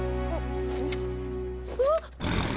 あっ。